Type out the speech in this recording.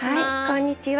こんにちは。